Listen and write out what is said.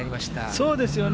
そうですよね。